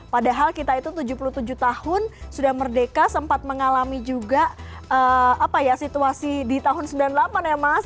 padahal kita itu tujuh puluh tujuh tahun sudah merdeka sempat mengalami juga situasi di tahun sembilan puluh delapan ya mas